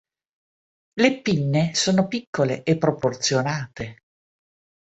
Le pinne sono piccole e proporzionate.